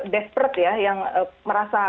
desperate ya yang merasa